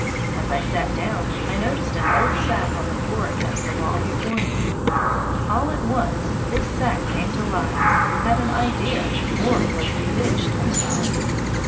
As I sat down, I noticed an old sack on the floor against the wall before me. All at once this sack came to life, had an idea, or was bewitched, I thought.